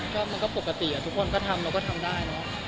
ก็มันก็ปกติอ่ะทุกคนก็ทำได้เนอะ